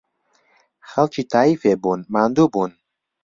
خەڵکی تاییفێ بوون، ماندوو بوون